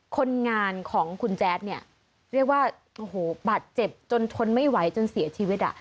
คนงานของคุณแจ๊ดเนี่ยเรียกว่าโอ้โหบาดเจ็บจนทนไม่ไหวจนเสียชีวิตอ่ะ